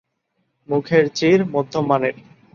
মুখের চির মধ্যম মানের।